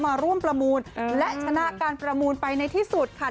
มาร่วมประมูลและชนะการประมูลไปในที่สุดค่ะ